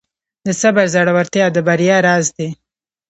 د صبر زړورتیا د بریا راز دی.